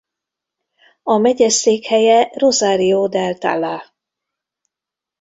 A megye székhelye Rosario del Tala.